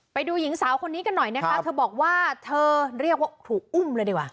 ไปดูหญิงสาวคนนี้กันหน่อยนะคะเธอบอกว่าเธอเรียกว่าถูกอุ้มเลยดีกว่า